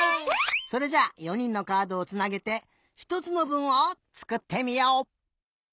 それじゃ４にんのカードをつなげてひとつのぶんをつくってみよう！